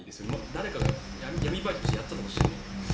誰かが闇バイトとしてやったとしても。